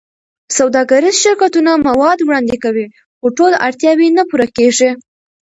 سوداګریز شرکتونه مواد وړاندې کوي، خو ټول اړتیاوې نه پوره کېږي.